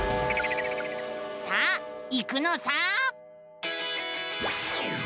さあ行くのさ！